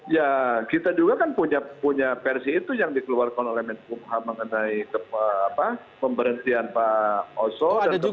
ya kita juga kan punya versi itu yang dikeluarkan oleh menkumham mengenai pemberhentian pak oso